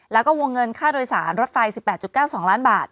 แล้วก็วงเงินค่าโดยสารรถไฟ๑๘๙๒ล้านบาท